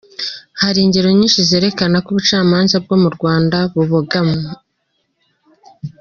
Hari ingero nyinshi zerekana ko ubucamanza bwo mu Rwanda bubogamwe.